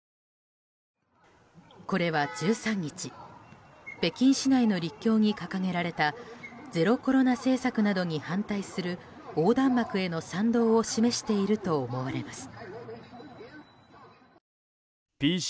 これは１３日北京市内の陸橋に掲げられたゼロコロナ政策などに反対する横断幕への賛同を示していると思われます。